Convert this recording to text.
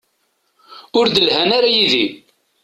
Ur d-lhan ara yid-i.